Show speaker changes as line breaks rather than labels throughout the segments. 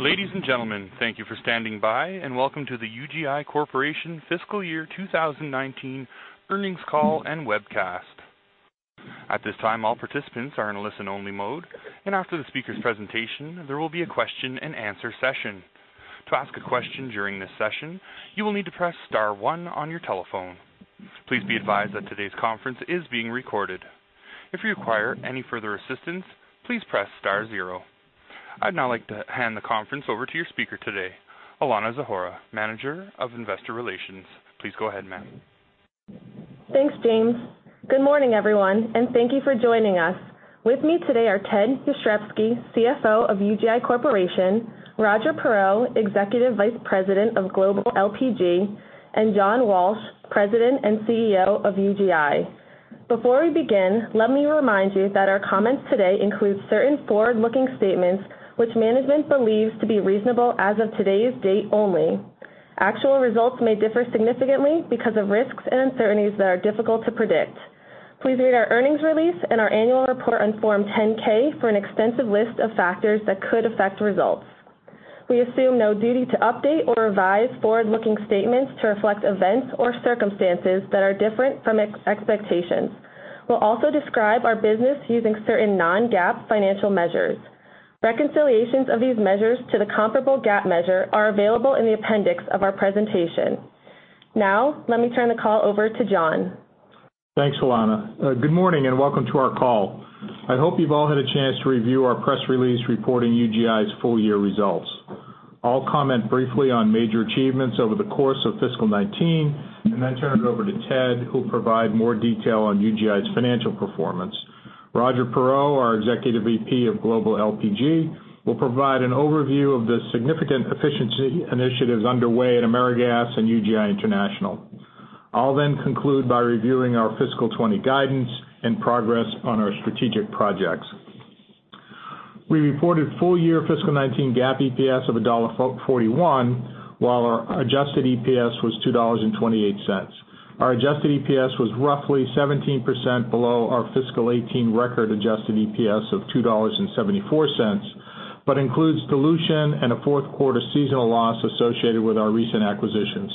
Ladies and gentlemen, thank you for standing by, and welcome to the UGI Corporation Fiscal Year 2019 Earnings Call and Webcast. At this time, all participants are in a listen-only mode, and after the speaker's presentation, there will be a question and answer session. To ask a question during this session, you will need to press star one on your telephone. Please be advised that today's conference is being recorded. If you require any further assistance, please press star zero. I'd now like to hand the conference over to your speaker today, Alanna Zahora, Manager of Investor Relations. Please go ahead, ma'am.
Thanks, James. Good morning, everyone, and thank you for joining us. With me today are Ted Jastrzebski, CFO of UGI Corporation, Roger Perreault, Executive Vice President of Global LPG, and John Walsh, President and CEO of UGI. Before we begin, let me remind you that our comments today include certain forward-looking statements which management believes to be reasonable as of today's date only. Actual results may differ significantly because of risks and uncertainties that are difficult to predict. Please read our earnings release and our annual report on Form 10-K for an extensive list of factors that could affect results. We assume no duty to update or revise forward-looking statements to reflect events or circumstances that are different from expectations. We'll also describe our business using certain non-GAAP financial measures. Reconciliations of these measures to the comparable GAAP measure are available in the appendix of our presentation. Let me turn the call over to John.
Thanks, Alanna. Good morning and welcome to our call. I hope you've all had a chance to review our press release reporting UGI's full-year results. I'll comment briefly on major achievements over the course of fiscal 2019, and then turn it over to Ted, who'll provide more detail on UGI's financial performance. Roger Perreault, our Executive VP of Global LPG, will provide an overview of the significant efficiency initiatives underway at AmeriGas and UGI International. I'll then conclude by reviewing our fiscal 2020 guidance and progress on our strategic projects. We reported full-year fiscal 2019 GAAP EPS of $1.41, while our adjusted EPS was $2.28. Our adjusted EPS was roughly 17% below our fiscal 2018 record-adjusted EPS of $2.74, but includes dilution and a fourth quarter seasonal loss associated with our recent acquisitions.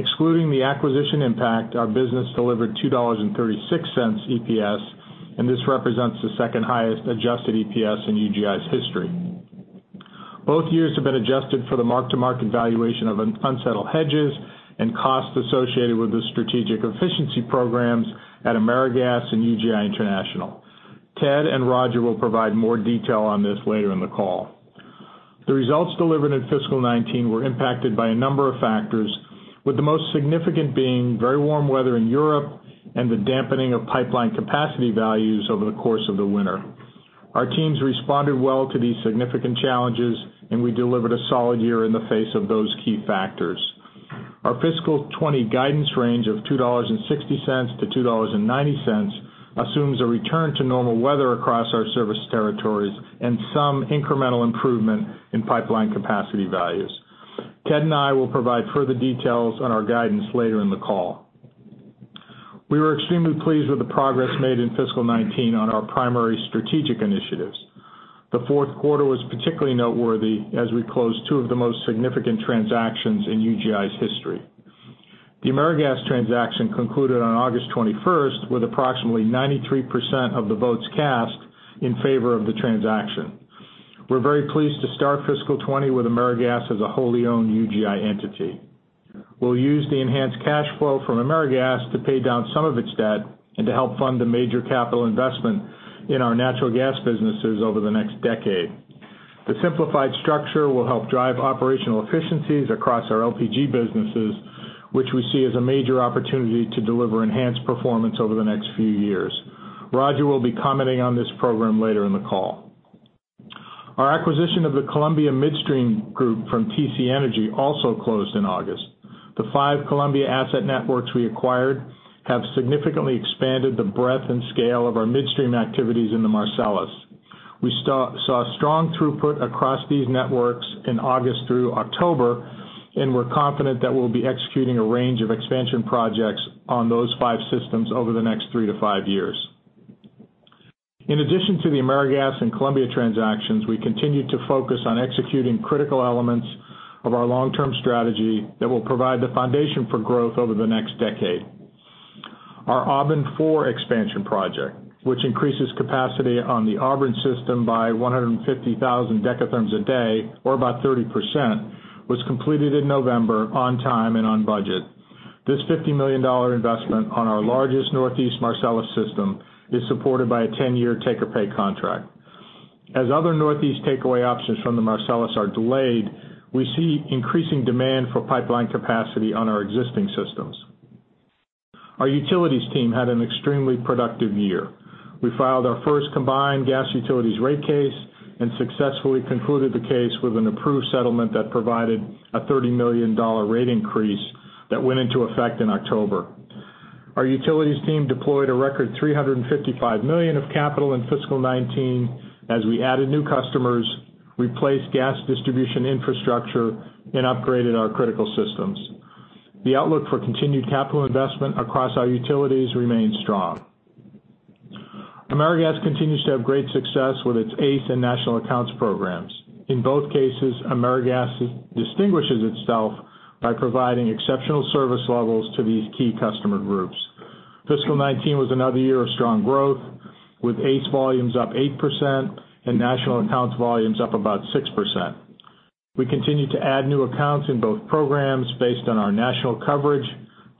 Excluding the acquisition impact, our business delivered $2.36 EPS. This represents the second highest adjusted EPS in UGI's history. Both years have been adjusted for the mark-to-market valuation of unsettled hedges and costs associated with the strategic efficiency programs at AmeriGas and UGI International. Ted and Roger will provide more detail on this later in the call. The results delivered in fiscal 2019 were impacted by a number of factors, with the most significant being very warm weather in Europe and the dampening of pipeline capacity values over the course of the winter. Our teams responded well to these significant challenges. We delivered a solid year in the face of those key factors. Our fiscal 2020 guidance range of $2.60-$2.90 assumes a return to normal weather across our service territories and some incremental improvement in pipeline capacity values. Ted and I will provide further details on our guidance later in the call. We were extremely pleased with the progress made in fiscal 2019 on our primary strategic initiatives. The fourth quarter was particularly noteworthy as we closed two of the most significant transactions in UGI's history. The AmeriGas transaction concluded on August 21st, with approximately 93% of the votes cast in favor of the transaction. We're very pleased to start fiscal 2020 with AmeriGas as a wholly-owned UGI entity. We'll use the enhanced cash flow from AmeriGas to pay down some of its debt and to help fund the major capital investment in our natural gas businesses over the next decade. The simplified structure will help drive operational efficiencies across our LPG businesses, which we see as a major opportunity to deliver enhanced performance over the next few years. Roger will be commenting on this program later in the call. Our acquisition of the Columbia Midstream Group from TC Energy also closed in August. The five Columbia asset networks we acquired have significantly expanded the breadth and scale of our midstream activities in the Marcellus. We saw strong throughput across these networks in August through October, and we're confident that we'll be executing a range of expansion projects on those five systems over the next three to five years. In addition to the AmeriGas and Columbia transactions, we continue to focus on executing critical elements of our long-term strategy that will provide the foundation for growth over the next decade. Our Auburn IV expansion project, which increases capacity on the Auburn system by 150,000 Dth a day, or about 30%, was completed in November on time and on budget. This $50 million investment on our largest Northeast Marcellus system is supported by a 10-year take-or-pay contract. As other Northeast takeaway options from the Marcellus are delayed, we see increasing demand for pipeline capacity on our existing systems. Our Utilities team had an extremely productive year. We filed our first combined gas utilities rate case and successfully concluded the case with an approved settlement that provided a $30 million rate increase that went into effect in October. Our Utilities team deployed a record $355 million of capital in fiscal 2019 as we added new customers, replaced gas distribution infrastructure, and upgraded our critical systems. The outlook for continued capital investment across our utilities remains strong. AmeriGas continues to have great success with its ACE and National Accounts programs. In both cases, AmeriGas distinguishes itself by providing exceptional service levels to these key customer groups. Fiscal 2019 was another year of strong growth, with ACE volumes up 8% and National Accounts volumes up about 6%. We continue to add new accounts in both programs based on our national coverage,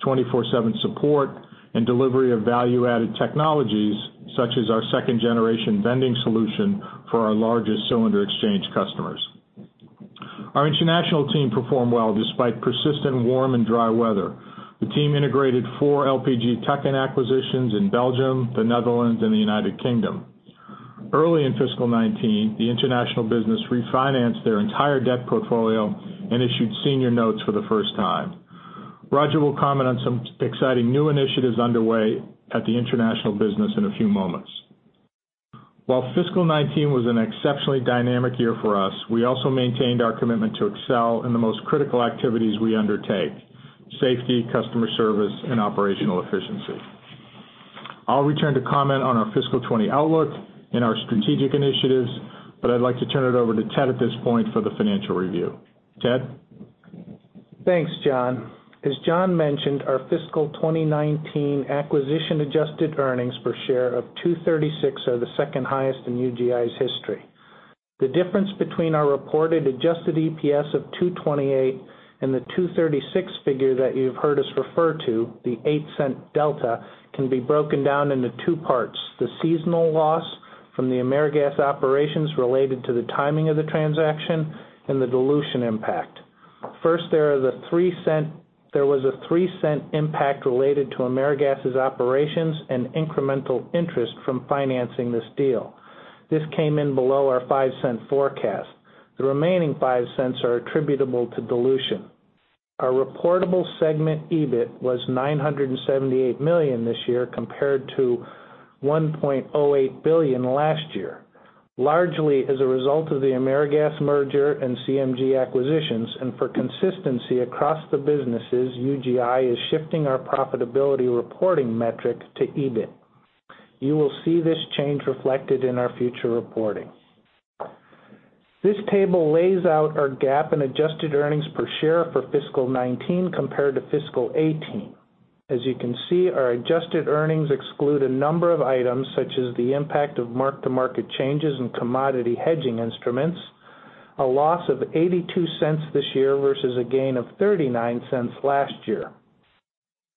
24/7 support, and delivery of value-added technologies, such as our second-generation vending solution for our largest cylinder exchange customers. Our international team performed well despite persistent warm and dry weather. The team integrated four LPG tuck-in acquisitions in Belgium, the Netherlands, and the United Kingdom. Early in Fiscal 2019, the International business refinanced their entire debt portfolio and issued senior notes for the first time. Roger will comment on some exciting new initiatives underway at the International business in a few moments. While Fiscal 2019 was an exceptionally dynamic year for us, we also maintained our commitment to excel in the most critical activities we undertake- safety, customer service, and operational efficiency. I'll return to comment on our fiscal 2020 outlook and our strategic initiatives, but I'd like to turn it over to Ted at this point for the financial review. Ted?
Thanks, John. As John mentioned, our fiscal 2019 acquisition-adjusted earnings per share of $2.36 are the second highest in UGI's history. The difference between our reported adjusted EPS of $2.28 and the $2.36 figure that you've heard us refer to, the $0.08 delta, can be broken down into two parts- the seasonal loss from the AmeriGas operations related to the timing of the transaction, and the dilution impact. First, there was a $0.03 impact related to AmeriGas's operations and incremental interest from financing this deal. This came in below our $0.05 forecast. The remaining $0.05 are attributable to dilution. Our reportable segment EBIT was $978 million this year compared to $1.08 billion last year, largely as a result of the AmeriGas merger and CMG acquisitions, and for consistency across the businesses, UGI is shifting our profitability reporting metric to EBIT. You will see this change reflected in our future reporting. This table lays out our GAAP in adjusted earnings per share for fiscal 2019 compared to fiscal 2018. As you can see, our adjusted earnings exclude a number of items, such as the impact of mark-to-market changes in commodity hedging instruments, a loss of $0.82 this year versus a gain of $0.39 last year.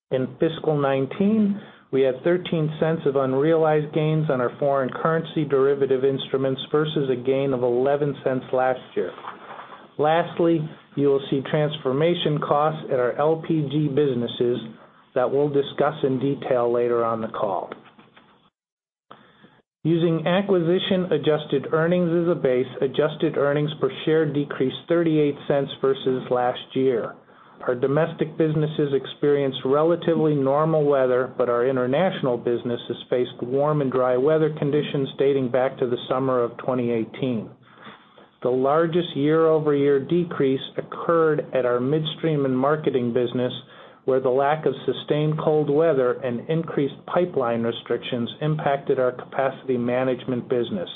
In fiscal 2019, we had $0.13 of unrealized gains on our foreign currency derivative instruments versus a gain of $0.11 last year. Lastly, you will see transformation costs at our LPG businesses that we'll discuss in detail later on the call. Using acquisition-adjusted earnings as a base, adjusted earnings per share decreased $0.38 versus last year. Our domestic businesses experienced relatively normal weather, but our International businesses faced warm and dry weather conditions dating back to the summer of 2018. The largest year-over-year decrease occurred at our Midstream and Marketing business, where the lack of sustained cold weather and increased pipeline restrictions impacted our capacity management business.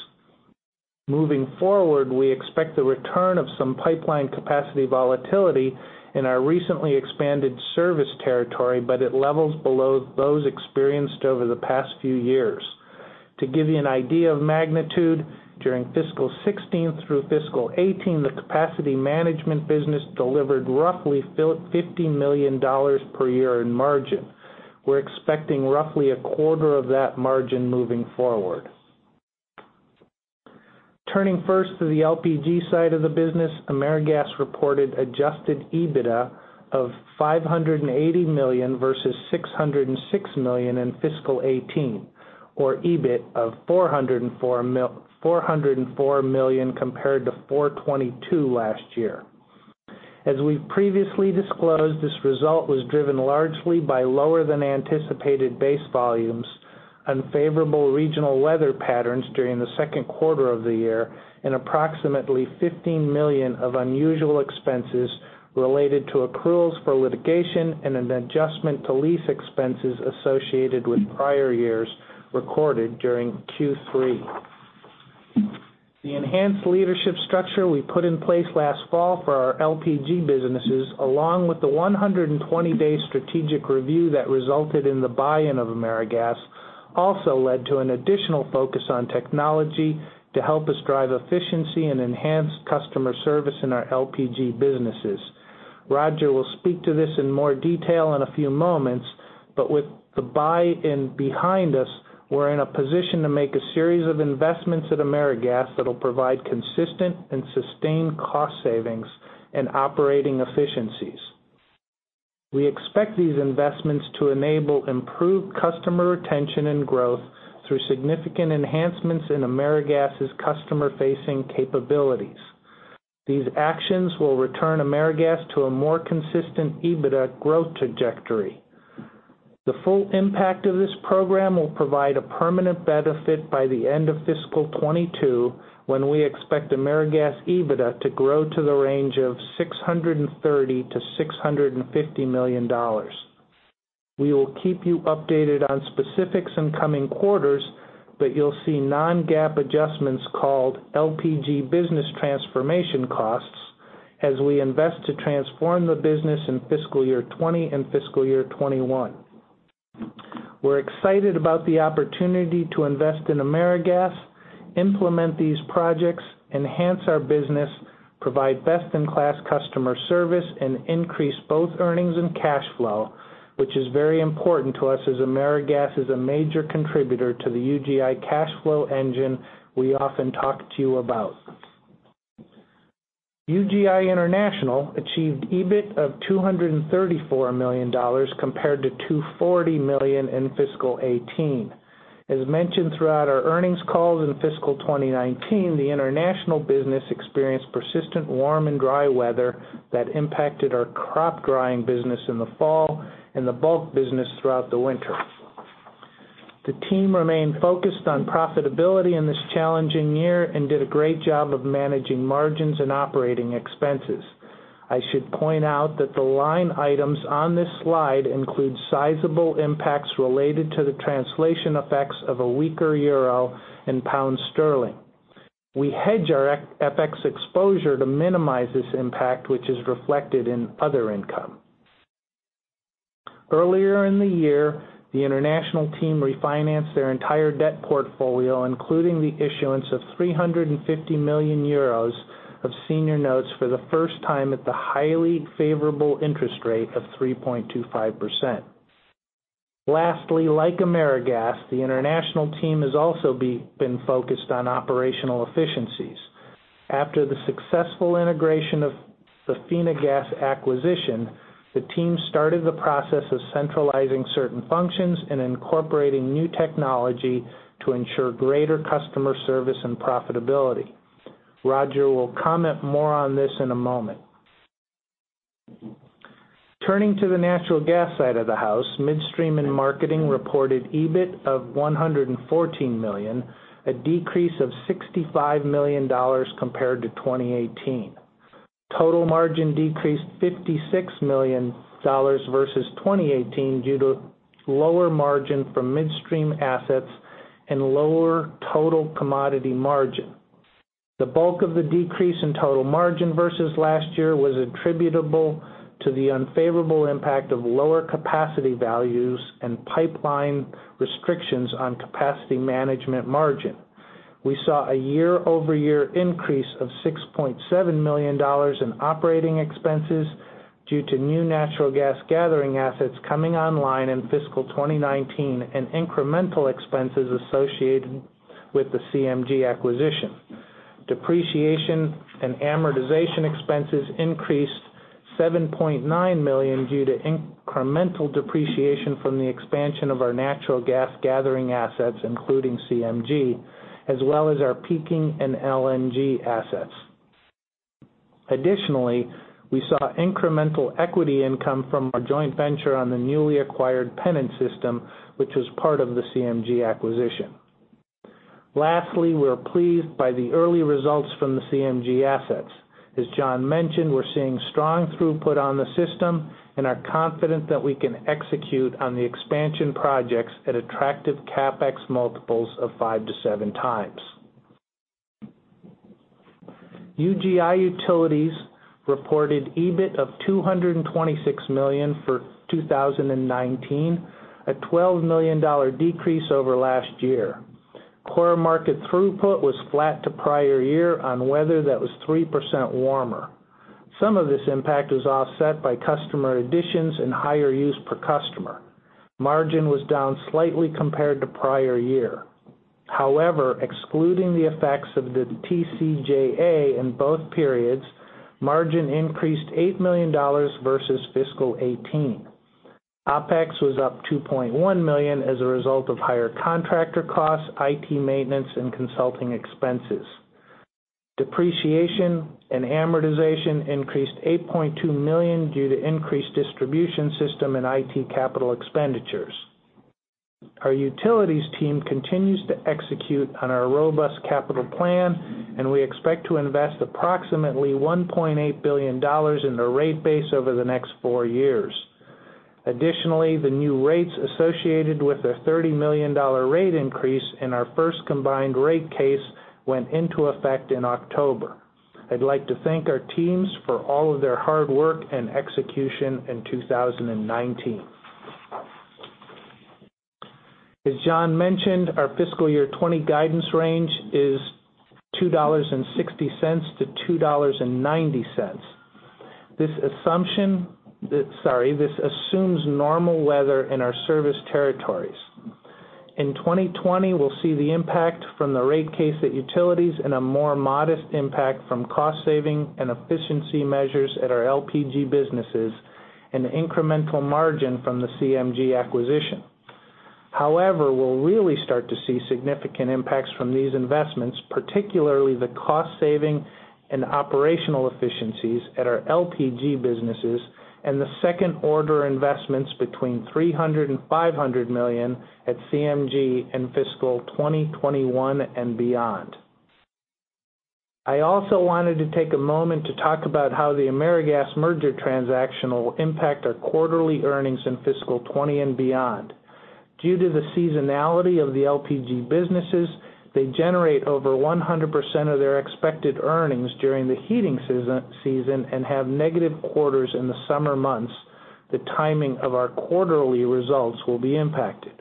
Moving forward, we expect the return of some pipeline capacity volatility in our recently expanded service territory, but at levels below those experienced over the past few years. To give you an idea of magnitude- during fiscal 2016 through fiscal 2018, the capacity management business delivered roughly $50 million per year in margin. We're expecting roughly a quarter of that margin moving forward. Turning first to the LPG side of the business, AmeriGas reported adjusted EBITDA of $580 million versus $606 million in fiscal 2018, or EBIT of $404 million compared to $422 million last year. As we've previously disclosed, this result was driven largely by lower than anticipated base volumes, unfavorable regional weather patterns during the second quarter of the year, and approximately $15 million of unusual expenses related to accruals for litigation and an adjustment to lease expenses associated with prior years recorded during Q3. The enhanced leadership structure we put in place last fall for our LPG businesses, along with the 120-day strategic review that resulted in the buy-in of AmeriGas, also led to an additional focus on technology to help us drive efficiency and enhance customer service in our LPG businesses. Roger will speak to this in more detail in a few moments, but with the buy-in behind us, we're in a position to make a series of investments at AmeriGas that'll provide consistent and sustained cost savings and operating efficiencies. We expect these investments to enable improved customer retention and growth through significant enhancements in AmeriGas's customer-facing capabilities. These actions will return AmeriGas to a more consistent EBITDA growth trajectory. The full impact of this program will provide a permanent benefit by the end of fiscal 2022, when we expect AmeriGas EBITDA to grow to the range of $630 million-$650 million. We will keep you updated on specifics in coming quarters, but you'll see non-GAAP adjustments called LPG business transformation costs as we invest to transform the business in fiscal year 2020 and fiscal year 2021. We're excited about the opportunity to invest in AmeriGas, implement these projects, enhance our business, provide best-in-class customer service, and increase both earnings and cash flow, which is very important to us as AmeriGas is a major contributor to the UGI cash flow engine we often talk to you about. UGI International achieved EBIT of $234 million compared to $240 million in fiscal 2018. As mentioned throughout our earnings calls in fiscal 2019, the International business experienced persistent warm and dry weather that impacted our crop drying business in the fall and the bulk business throughout the winter. The team remained focused on profitability in this challenging year and did a great job of managing margins and operating expenses. I should point out that the line items on this slide include sizable impacts related to the translation effects of a weaker euro and pound sterling. We hedge our FX exposure to minimize this impact, which is reflected in other income. Earlier in the year, the international team refinanced their entire debt portfolio, including the issuance of 350 million euros of senior notes for the first time at the highly favorable interest rate of 3.25%. Lastly, like AmeriGas, the international team has also been focused on operational efficiencies. After the successful integration of the Finagaz acquisition, the team started the process of centralizing certain functions and incorporating new technology to ensure greater customer service and profitability. Roger will comment more on this in a moment. Turning to the natural gas side of the house- Midstream and Marketing reported EBIT of $114 million, a decrease of $65 million compared to 2018. Total margin decreased $56 million versus 2018 due to lower margin from Midstream assets and lower total commodity margin. The bulk of the decrease in total margin versus last year was attributable to the unfavorable impact of lower capacity values and pipeline restrictions on capacity management margin. We saw a year-over-year increase of $6.7 million in operating expenses due to new natural gas gathering assets coming online in fiscal 2019 and incremental expenses associated with the CMG acquisition. Depreciation and amortization expenses increased $7.9 million due to incremental depreciation from the expansion of our natural gas gathering assets, including CMG, as well as our peaking and LNG assets. Additionally, we saw incremental equity income from our joint venture on the newly acquired Pennant system, which was part of the CMG acquisition. Lastly, we're pleased by the early results from the CMG assets. As John mentioned, we're seeing strong throughput on the system and are confident that we can execute on the expansion projects at attractive CapEx multiples of five to seven times. UGI Utilities reported EBIT of $226 million for 2019, a $12 million decrease over last year. Core market throughput was flat to prior year on weather that was 3% warmer. Some of this impact was offset by customer additions and higher use per customer. Margin was down slightly compared to prior year. Excluding the effects of the TCJA in both periods, margin increased $8 million versus fiscal 2018. OPEX was up $2.1 million as a result of higher contractor costs, IT maintenance, and consulting expenses. Depreciation and amortization increased $8.2 million due to increased distribution system and IT capital expenditures. Our utilities team continues to execute on our robust capital plan, and we expect to invest approximately $1.8 billion in the rate base over the next four years. Additionally, the new rates associated with a $30 million rate increase in our first combined rate case went into effect in October. I'd like to thank our teams for all of their hard work and execution in 2019. As John mentioned, our fiscal year 2020 guidance range is $2.60-$2.90. This assumes normal weather in our service territories. In 2020, we'll see the impact from the rate case at utilities and a more modest impact from cost-saving and efficiency measures at our LPG businesses and the incremental margin from the CMG acquisition. We'll really start to see significant impacts from these investments, particularly the cost-saving and operational efficiencies at our LPG businesses and the second-order investments between $300 million and $500 million at CMG in fiscal 2021 and beyond. I also wanted to take a moment to talk about how the AmeriGas merger transaction will impact our quarterly earnings in fiscal 2020 and beyond. Due to the seasonality of the LPG businesses, they generate over 100% of their expected earnings during the heating season and have negative quarters in the summer months. The timing of our quarterly results will be impacted.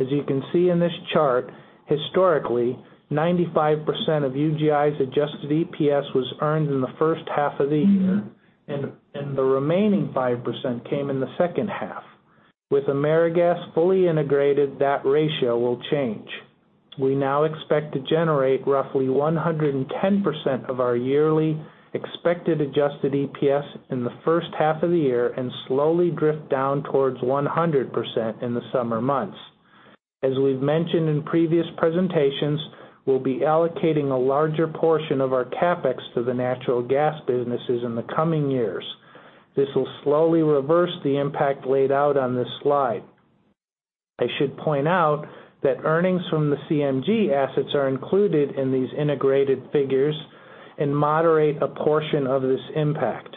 As you can see in this chart, historically, 95% of UGI's adjusted EPS was earned in the first half of the year, and the remaining 5% came in the second half. With AmeriGas fully integrated, that ratio will change. We now expect to generate roughly 110% of our yearly expected adjusted EPS in the first half of the year and slowly drift down towards 100% in the summer months. As we've mentioned in previous presentations, we'll be allocating a larger portion of our CapEx to the natural gas businesses in the coming years. This will slowly reverse the impact laid out on this slide. I should point out that earnings from the CMG assets are included in these integrated figures and moderate a portion of this impact.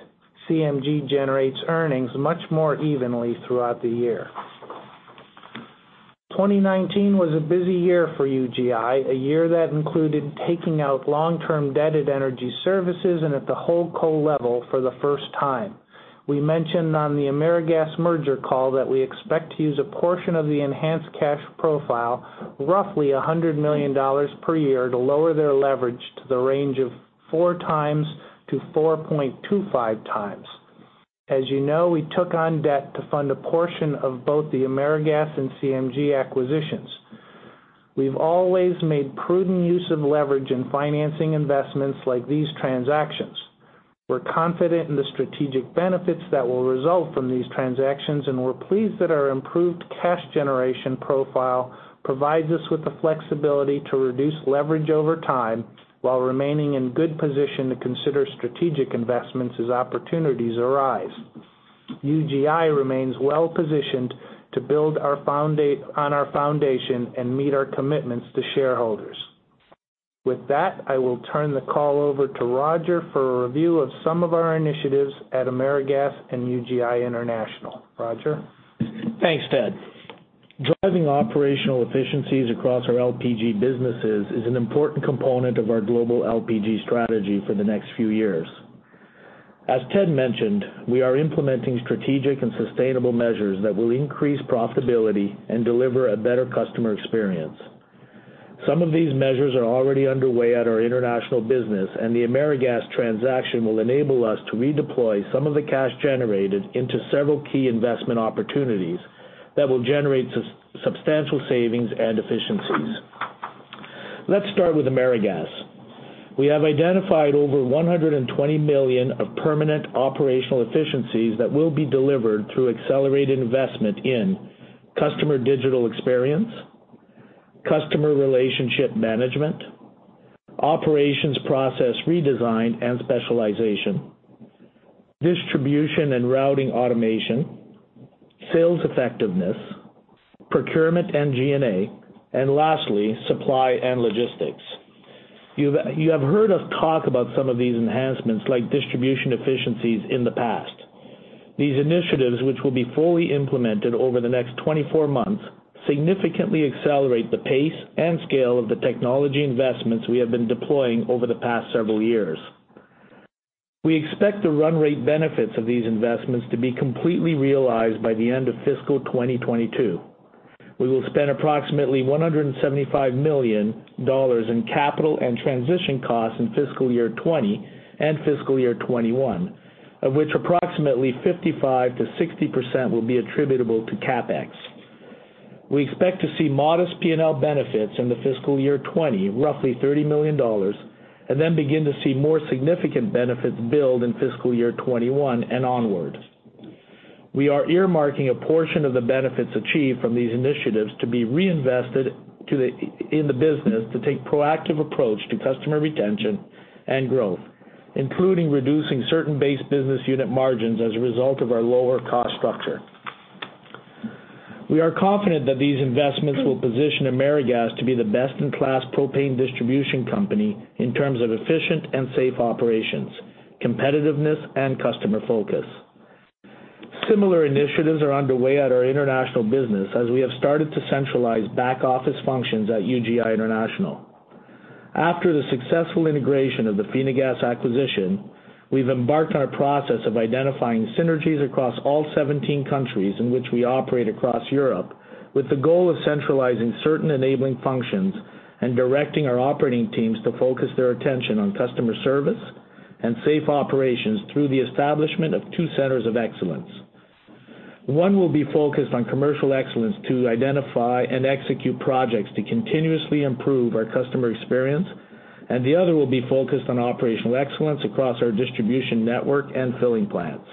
CMG generates earnings much more evenly throughout the year. 2019 was a busy year for UGI, a year that included taking out long-term debt at Energy Services and at the holdco level for the first time. We mentioned on the AmeriGas merger call that we expect to use a portion of the enhanced cash profile, roughly $100 million per year, to lower their leverage to the range of 4x to 4.25x. As you know, we took on debt to fund a portion of both the AmeriGas and CMG acquisitions. We've always made prudent use of leverage in financing investments like these transactions. We're confident in the strategic benefits that will result from these transactions, and we're pleased that our improved cash generation profile provides us with the flexibility to reduce leverage over time while remaining in good position to consider strategic investments as opportunities arise. UGI remains well-positioned to build on our foundation and meet our commitments to shareholders. With that, I will turn the call over to Roger for a review of some of our initiatives at AmeriGas and UGI International. Roger?
Thanks, Ted. Driving operational efficiencies across our LPG businesses is an important component of our global LPG strategy for the next few years. As Ted mentioned, we are implementing strategic and sustainable measures that will increase profitability and deliver a better customer experience. Some of these measures are already underway at our International business, the AmeriGas transaction will enable us to redeploy some of the cash generated into several key investment opportunities that will generate substantial savings and efficiencies. Let's start with AmeriGas. We have identified over $120 million of permanent operational efficiencies that will be delivered through accelerated investment in- customer digital experience, customer relationship management, operations process redesign and specialization, distribution and routing automation, sales effectiveness, procurement and G&A, and lastly, supply and logistics. You have heard us talk about some of these enhancements, like distribution efficiencies, in the past. These initiatives, which will be fully implemented over the next 24 months- significantly accelerate the pace and scale of the technology investments we have been deploying over the past several years. We expect the run rate benefits of these investments to be completely realized by the end of fiscal 2022. We will spend approximately $175 million in capital and transition costs in fiscal year 2020 and fiscal year 2021, of which approximately 55%-60% will be attributable to CapEx. We expect to see modest P&L benefits in the fiscal year 2020, roughly $30 million, and then begin to see more significant benefits build in fiscal year 2021 and onwards. We are earmarking a portion of the benefits achieved from these initiatives to be reinvested in the business to take proactive approach to customer retention and growth, including reducing certain base business unit margins as a result of our lower cost structure. We are confident that these investments will position AmeriGas to be the best-in-class propane distribution company in terms of efficient and safe operations, competitiveness, and customer focus. Similar initiatives are underway at our International business as we have started to centralize back-office functions at UGI International. After the successful integration of the Finagaz acquisition, we've embarked on a process of identifying synergies across all 17 countries in which we operate across Europe, with the goal of centralizing certain enabling functions and directing our operating teams to focus their attention on customer service and safe operations through the establishment of two centers of excellence. One will be focused on commercial excellence to identify and execute projects to continuously improve our customer experience, and the other will be focused on operational excellence across our distribution network and filling plants.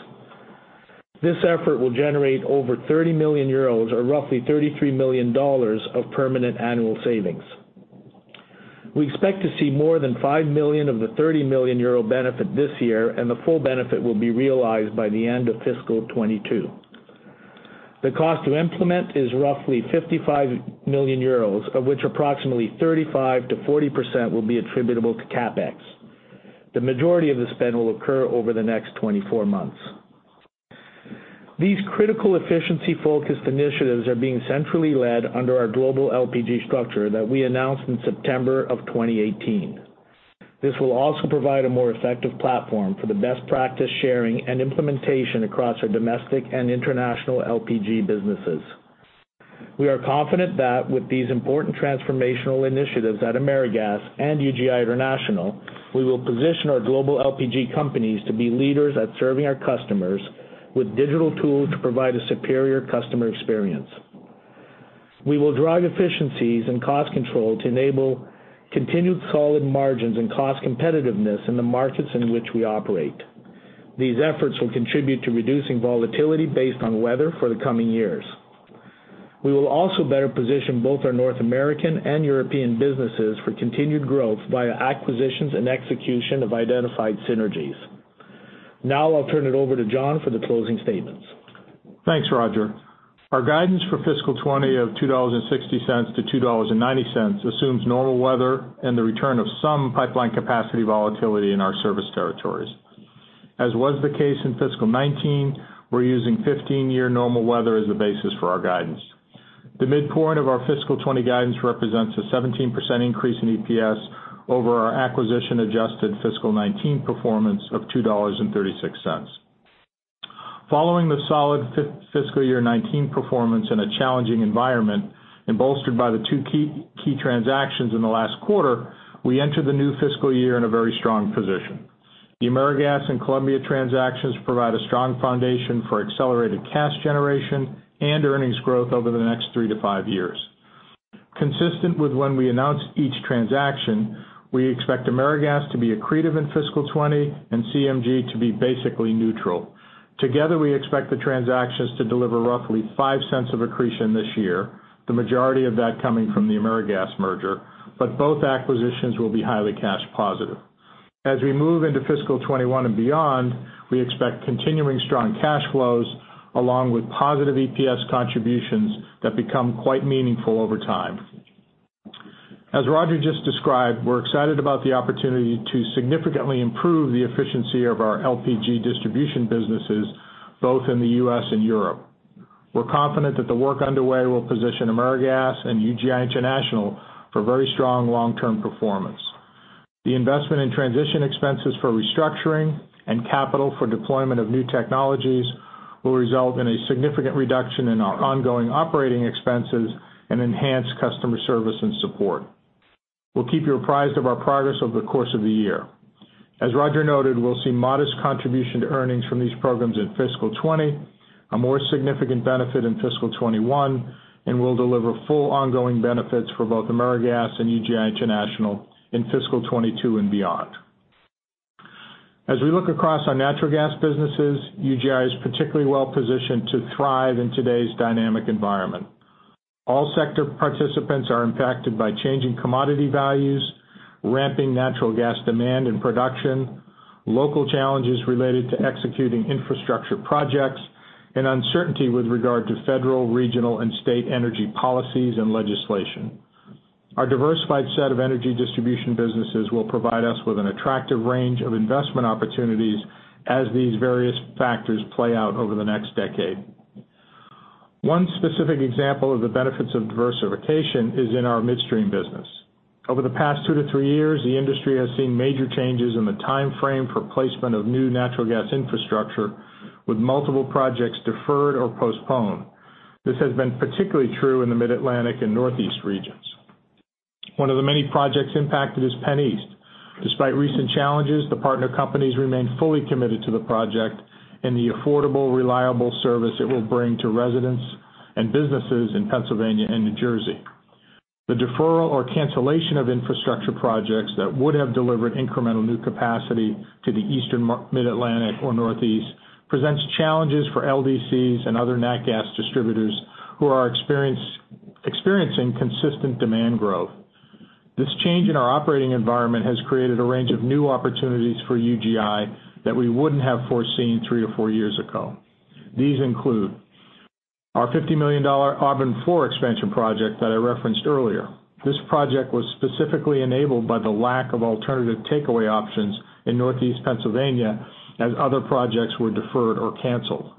This effort will generate over 30 million euros or roughly $33 million of permanent annual savings. We expect to see more than 5 million of the 30 million euro benefit this year, and the full benefit will be realized by the end of fiscal 2022. The cost to implement is roughly 55 million euros, of which approximately 35%-40% will be attributable to CapEx. The majority of the spend will occur over the next 24 months. These critical efficiency-focused initiatives are being centrally led under our global LPG structure that we announced in September of 2018. This will also provide a more effective platform for the best practice sharing and implementation across our domestic and international LPG businesses. We are confident that with these important transformational initiatives at AmeriGas and UGI International, we will position our global LPG companies to be leaders at serving our customers with digital tools to provide a superior customer experience. We will drive efficiencies and cost control to enable continued solid margins and cost competitiveness in the markets in which we operate. These efforts will contribute to reducing volatility based on weather for the coming years. We will also better position both our North American and European businesses for continued growth via acquisitions and execution of identified synergies. Now, I'll turn it over to John for the closing statements.
Thanks, Roger. Our guidance for fiscal 2020 of $2.60-$2.90 assumes normal weather and the return of some pipeline capacity volatility in our service territories. As was the case in fiscal 2019, we're using 15-year normal weather as the basis for our guidance. The midpoint of our fiscal 2020 guidance represents a 17% increase in EPS over our acquisition-adjusted fiscal 2019 performance of $2.36. Following the solid fiscal year 2019 performance in a challenging environment, bolstered by the two key transactions in the last quarter, we enter the new fiscal year in a very strong position. The AmeriGas and Columbia transactions provide a strong foundation for accelerated cash generation and earnings growth over the next three to five years. Consistent with when we announced each transaction, we expect AmeriGas to be accretive in fiscal 2020, and CMG to be basically neutral. Together, we expect the transactions to deliver roughly $0.05 of accretion this year- the majority of that coming from the AmeriGas merger. Both acquisitions will be highly cash positive. As we move into fiscal 2021 and beyond, we expect continuing strong cash flows along with positive EPS contributions that become quite meaningful over time. As Roger just described, we're excited about the opportunity to significantly improve the efficiency of our LPG distribution businesses, both in the U.S. and Europe. We're confident that the work underway will position AmeriGas and UGI International for very strong long-term performance. The investment in transition expenses for restructuring and capital for deployment of new technologies will result in a significant reduction in our ongoing operating expenses and enhance customer service and support. We'll keep you apprised of our progress over the course of the year. As Roger noted, we'll see modest contribution to earnings from these programs in fiscal 2020, a more significant benefit in fiscal 2021, and we'll deliver full ongoing benefits for both AmeriGas and UGI International in fiscal 2022 and beyond. As we look across our natural gas businesses, UGI is particularly well-positioned to thrive in today's dynamic environment. All sector participants are impacted by changing commodity values, ramping natural gas demand and production, local challenges related to executing infrastructure projects, and uncertainty with regard to federal, regional, and state energy policies and legislation. Our diversified set of energy distribution businesses will provide us with an attractive range of investment opportunities as these various factors play out over the next decade. One specific example of the benefits of diversification is in our Midstream business. Over the past two to three years, the industry has seen major changes in the timeframe for placement of new natural gas infrastructure, with multiple projects deferred or postponed. This has been particularly true in the Mid-Atlantic and Northeast regions. One of the many projects impacted is PennEast. Despite recent challenges, the partner companies remain fully committed to the project and the affordable, reliable service it will bring to residents and businesses in Pennsylvania and New Jersey. The deferral or cancellation of infrastructure projects that would have delivered incremental new capacity to the Eastern Mid-Atlantic or Northeast presents challenges for LDCs and other Nat Gas distributors who are experiencing consistent demand growth. This change in our operating environment has created a range of new opportunities for UGI that we wouldn't have foreseen three or four years ago. These include- our $50 million Auburn IV expansion project that I referenced earlier. This project was specifically enabled by the lack of alternative takeaway options in Northeast Pennsylvania as other projects were deferred or canceled.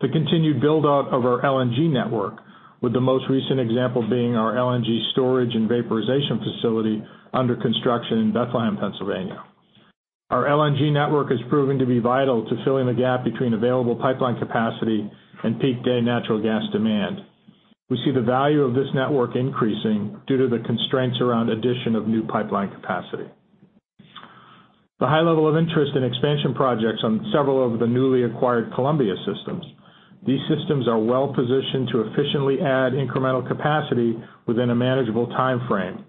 The continued build-out of our LNG network, with the most recent example being our LNG storage and vaporization facility under construction in Bethlehem, Pennsylvania. Our LNG network is proving to be vital to filling the gap between available pipeline capacity and peak day natural gas demand. We see the value of this network increasing due to the constraints around addition of new pipeline capacity. The high level of interest in expansion projects on several of the newly acquired Columbia systems. These systems are well-positioned to efficiently add incremental capacity within a manageable timeframe.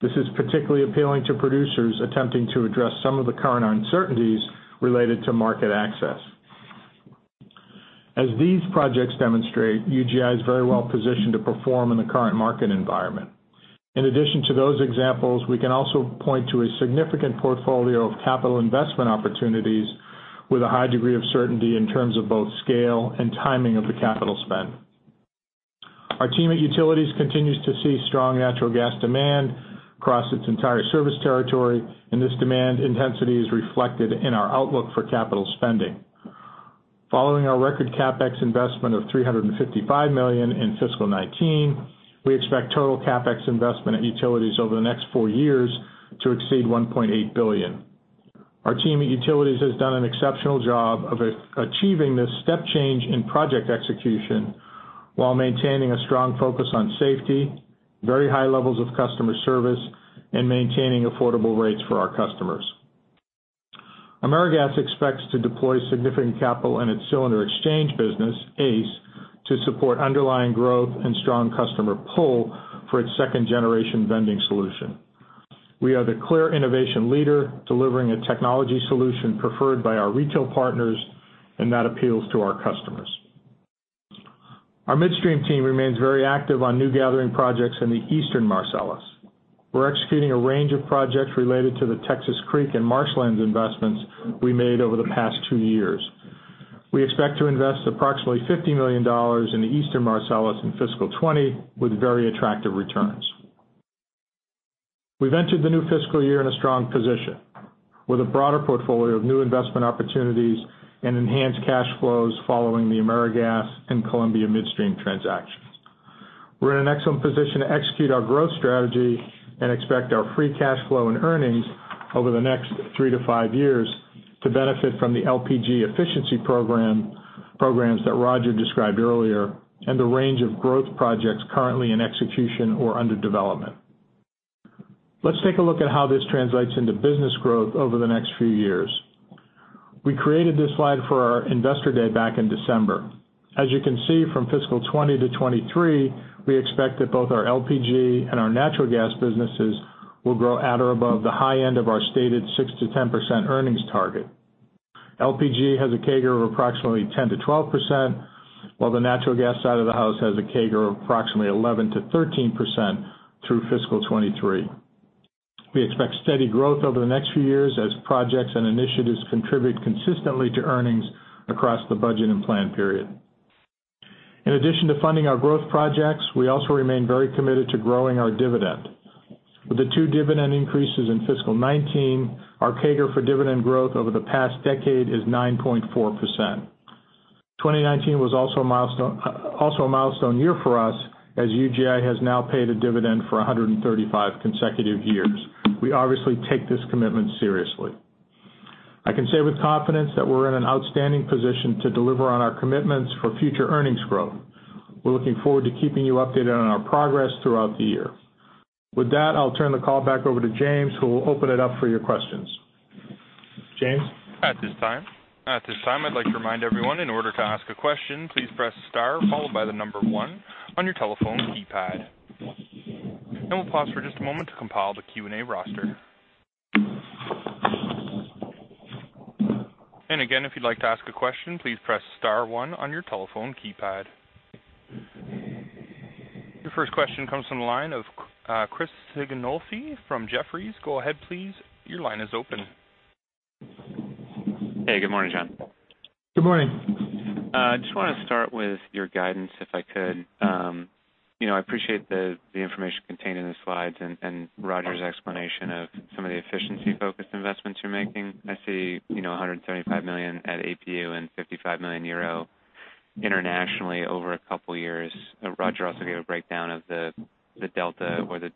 This is particularly appealing to producers attempting to address some of the current uncertainties related to market access. As these projects demonstrate, UGI is very well-positioned to perform in the current market environment. In addition to those examples, we can also point to a significant portfolio of capital investment opportunities with a high degree of certainty in terms of both scale and timing of the capital spend. Our team at Utilities continues to see strong natural gas demand across its entire service territory, and this demand intensity is reflected in our outlook for capital spending. Following our record CapEx investment of $355 million in fiscal 2019, we expect total CapEx investment at Utilities over the next four years to exceed $1.8 billion. Our team at Utilities has done an exceptional job of achieving this step change in project execution while maintaining a strong focus on safety, very high levels of customer service, and maintaining affordable rates for our customers. AmeriGas expects to deploy significant capital in its cylinder exchange business, ACE, to support underlying growth and strong customer pull for its second-generation vending solution. We are the clear innovation leader, delivering a technology solution preferred by our retail partners and that appeals to our customers. Our Midstream team remains very active on new gathering projects in the Eastern Marcellus. We're executing a range of projects related to the Texas Creek and Marshlands investments we made over the past two years. We expect to invest approximately $50 million in the Eastern Marcellus in fiscal 2020 with very attractive returns. We've entered the new fiscal year in a strong position with a broader portfolio of new investment opportunities and enhanced cash flows following the AmeriGas and Columbia Midstream transactions. We're in an excellent position to execute our growth strategy and expect our free cash flow and earnings over the next three to five years to benefit from the LPG efficiency programs that Roger described earlier, and the range of growth projects currently in execution or under development. Let's take a look at how this translates into business growth over the next few years. We created this slide for our Investor Day back in December. As you can see from fiscal 2020 to 2023, we expect that both our LPG and our natural gas businesses will grow at or above the high end of our stated 6%-10% earnings target. LPG has a CAGR of approximately 10%-12%, while the natural gas side of the house has a CAGR of approximately 11%-13% through fiscal 2023. We expect steady growth over the next few years as projects and initiatives contribute consistently to earnings across the budget and plan period. In addition to funding our growth projects, we also remain very committed to growing our dividend. With the two dividend increases in fiscal 2019, our CAGR for dividend growth over the past decade is 9.4%. 2019 was also a milestone year for us, as UGI has now paid a dividend for 135 consecutive years. We obviously take this commitment seriously. I can say with confidence that we're in an outstanding position to deliver on our commitments for future earnings growth. We're looking forward to keeping you updated on our progress throughout the year. With that, I'll turn the call back over to James, who will open it up for your questions. James?
At this time, I'd like to remind everyone, in order to ask a question, please press star followed by the number one on your telephone keypad. We'll pause for just a moment to compile the Q&A roster. Again, if you'd like to ask a question, please press star one on your telephone keypad. Your first question comes from the line of Chris Sighinolfi from Jefferies. Go ahead, please. Your line is open.
Hey, good morning, John.
Good morning.
Just want to start with your guidance, if I could. I appreciate the information contained in the slides and Roger's explanation of some of the efficiency-focused investments you're making. I see $175 million at APU and 55 million euro internationally over a couple of years- Roger also gave a breakdown of the delta or the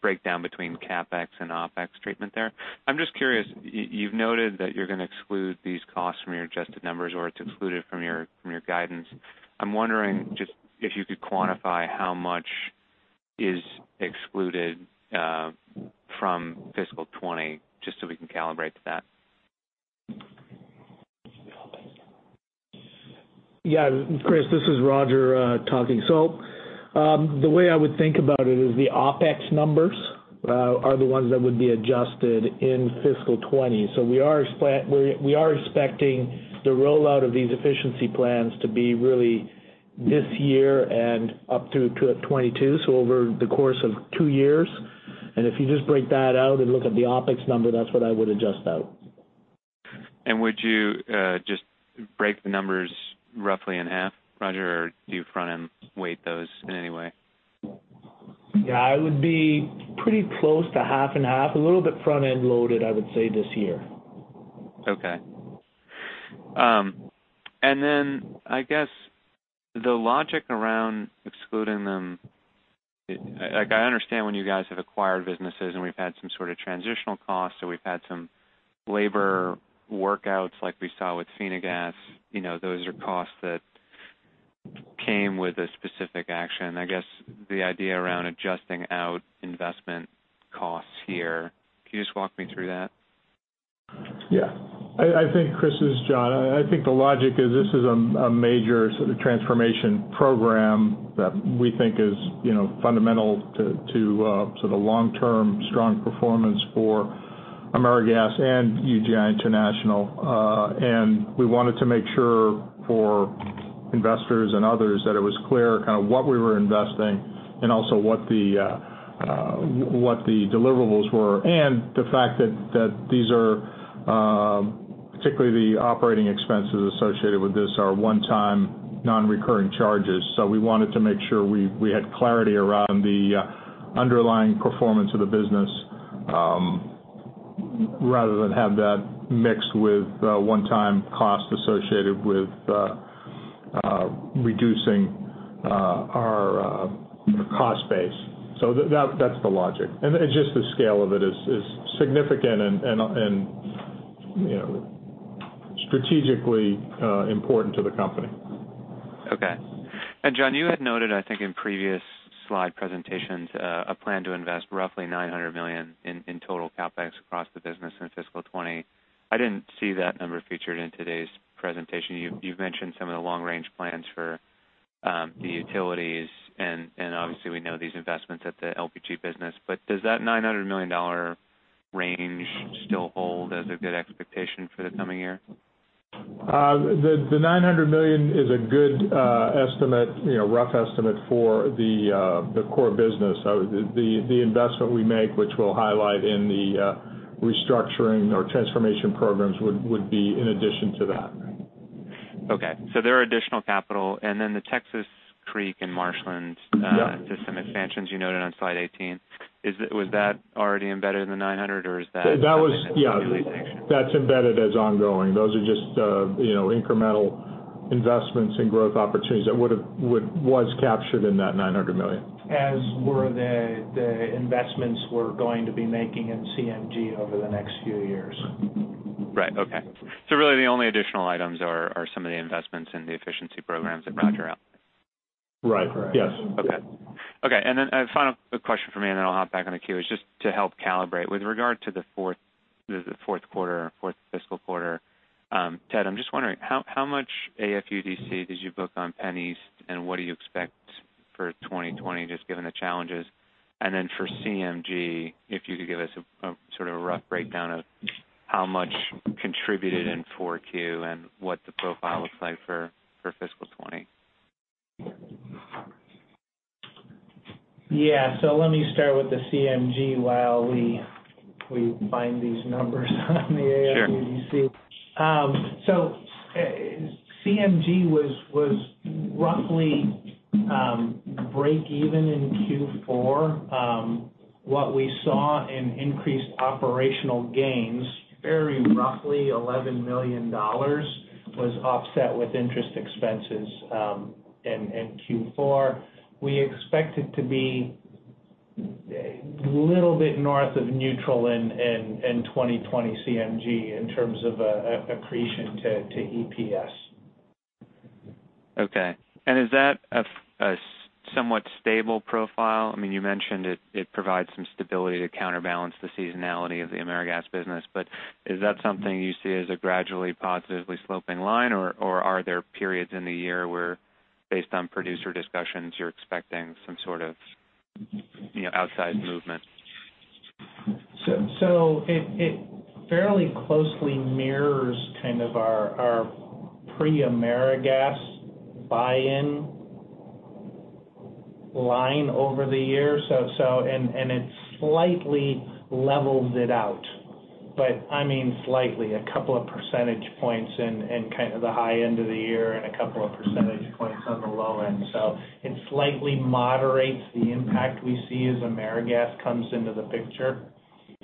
breakdown between CapEx and OpEx treatment there. I'm just curious- you've noted that you're going to exclude these costs from your adjusted numbers, or it's excluded from your guidance. I'm wondering just if you could quantify how much is excluded from fiscal 2020, just so we can calibrate to that?
Yeah. Chris, this is Roger talking. The way I would think about it is the OpEx numbers are the ones that would be adjusted in fiscal 2020. We are expecting the rollout of these efficiency plans to be really this year and up through to 2022, so over the course of two years. If you just break that out and look at the OpEx number, that's what I would adjust out.
Would you just break the numbers roughly in half, Roger? Or do you front-end weight those in any way?
It would be pretty close to half and half. A little bit front-end loaded, I would say, this year.
Okay. I guess the logic around excluding them, I understand when you guys have acquired businesses and we've had some sort of transitional costs or we've had some labor workouts like we saw with Finagaz, those are costs that came with a specific action. I guess the idea around adjusting out investment costs here, can you just walk me through that?
Chris, this is John. I think the logic is this is a major transformation program that we think is fundamental to the long-term strong performance for AmeriGas and UGI International. We wanted to make sure for investors and others that it was clear what we were investing, and also what the deliverables were- and the fact that these are, particularly the operating expenses associated with this are one-time, non-recurring charges. We wanted to make sure we had clarity around the underlying performance of the business, rather than have that mixed with one-time costs associated with reducing our cost base. That's the logic. Just the scale of it is significant and strategically important to the company.
Okay. John, you had noted, I think in previous slide presentations, a plan to invest roughly $900 million in total CapEx across the business in fiscal 2020. I didn't see that number featured in today's presentation. You've mentioned some of the long-range plans for the utilities, and obviously we know these investments at the LPG business. Does that $900 million range still hold as a good expectation for the coming year?
The $900 million is a good estimate, rough estimate for the core business. The investment we make, which we'll highlight in the restructuring or transformation programs would be in addition to that.
Okay. They're additional capital. The Texas Creek and Marshlands- system expansions you noted on slide 18. Was that already embedded in the $900, or is that...
Yeah- that's embedded as ongoing. Those are just incremental investments and growth opportunities that was captured in that $900 million.
As were the investments we're going to be making in CMG over the next few years.
Right. Okay. Really the only additional items are some of the investments in the efficiency programs that Roger outlined.
Right. Yes.
Okay. A final question from me, and then I'll hop back on the queue. Is just to help calibrate with regard to the fourth quarter- fourth fiscal quarter, Ted, I'm just wondering how much AFUDC did you book on PennEast, and what do you expect for 2020, just given the challenges? For CMG, if you could give us a rough breakdown of how much contributed in four Q, and what the profile looks like for fiscal 2020.
Yeah. Let me start with the CMG while we find these numbers on the AFUDC. CMG was roughly break-even in Q4. What we saw in increased operational gains, very roughly $11 million, was offset with interest expenses in Q4. We expect it to be a little bit north of neutral in 2020 CMG in terms of accretion to EPS.
Okay. Is that a somewhat stable profile? You mentioned it provides some stability to counterbalance the seasonality of the AmeriGas business. Is that something you see as a gradually positively sloping line, or are there periods in the year where, based on producer discussions, you're expecting some sort of outside movement?
It fairly closely mirrors our pre-AmeriGas buy-in line over the years. It slightly levels it out, but I mean slightly, a couple of percentage points in kind of the high end of the year and a couple of percentage points on the low end. It slightly moderates the impact we see as AmeriGas comes into the picture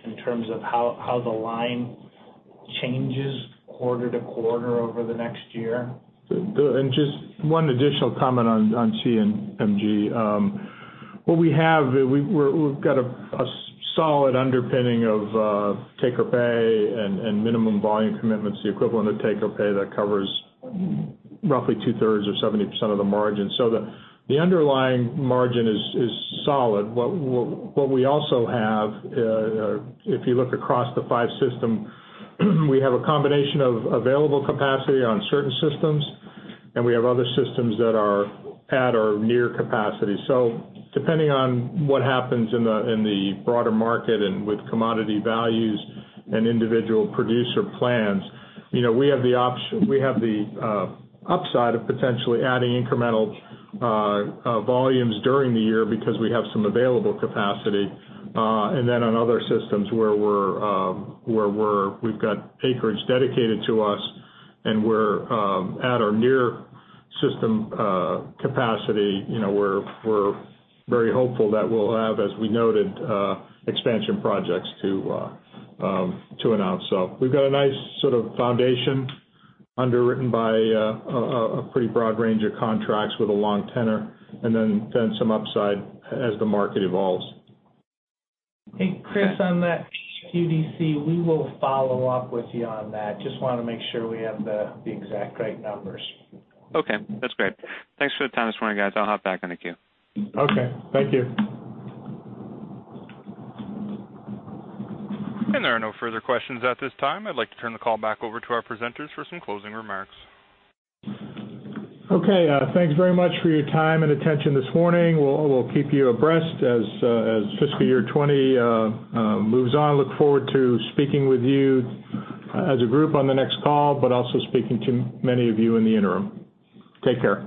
in terms of how the line changes quarter to quarter over the next year.
Just one additional comment on CMG. What we have, we've got a solid underpinning of take-or-pay and minimum volume commitments, the equivalent of take-or-pay that covers roughly two-thirds or 70% of the margin. The underlying margin is solid. What we also have- if you look across the five system, we have a combination of available capacity on certain systems, and we have other systems that are at or near capacity. Depending on what happens in the broader market and with commodity values and individual producer plans, we have the upside of potentially adding incremental volumes during the year because we have some available capacity. Then on other systems where we've got acreage dedicated to us and we're at or near system capacity, we're very hopeful that we'll have, as we noted, expansion projects to announce. We've got a nice foundation underwritten by a pretty broad range of contracts with a long tenor, and then some upside as the market evolves.
Hey, Chris, on that AFUDC, we will follow up with you on that- I just want to make sure we have the exact great numbers.
Okay, that's great. Thanks for the time this morning, guys. I'll hop back on the queue.
Okay. Thank you.
There are no further questions at this time. I'd like to turn the call back over to our presenters for some closing remarks.
Okay. Thanks very much for your time and attention this morning. We'll keep you abreast as fiscal year 2020 moves on. Look forward to speaking with you as a group on the next call, but also speaking to many of you in the interim. Take care.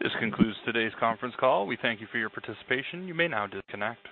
This concludes today's conference call. We thank you for your participation. You may now disconnect.